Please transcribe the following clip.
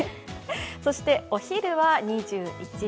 そしてお昼は２１度。